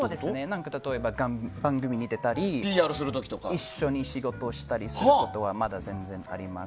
例えば、番組に出たり一緒に仕事をしたりすることはまだ、全然あります。